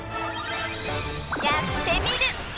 「やってみる。」。